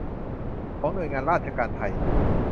ของหน่วยงานราชการไทย